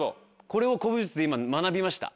これを古武術で今学びました。